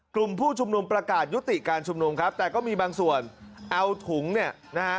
กลุ่มผู้ชุมนุมประกาศยุติการชุมนุมครับแต่ก็มีบางส่วนเอาถุงเนี่ยนะฮะ